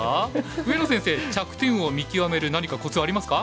上野先生着点を見極める何かコツありますか？